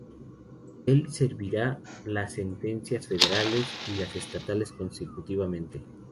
Él servirá las sentencias federales y estatales consecutivamente.